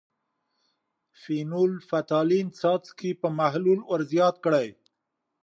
فینول – فتالین څاڅکي په محلول ور زیات کړئ.